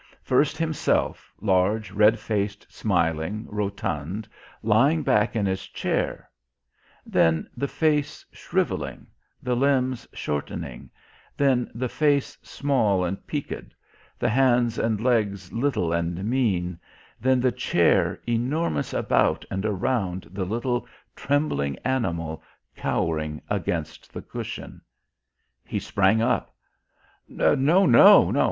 First himself, large, red faced, smiling, rotund, lying back in his chair; then the face shrivelling, the limbs shortening, then the face small and peaked, the hands and legs little and mean, then the chair enormous about and around the little trembling animal cowering against the cushion. He sprang up. "No, no